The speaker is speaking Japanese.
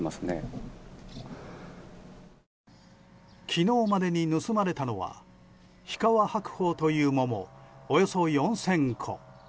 昨日までに盗まれたのは日川白鳳という桃およそ４０００個。